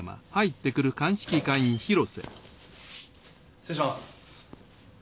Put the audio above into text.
失礼します。